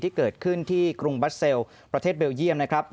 ที่เกิดขึ้นที่กรุงบัสเซลประเทศเบลเยี่ยมนะครับ